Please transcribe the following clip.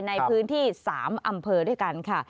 ในพื้นที่๓อำเภอด้วยกันค่ะ